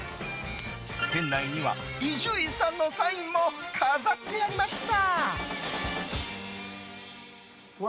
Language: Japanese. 店内には伊集院さんのサインも飾ってありました。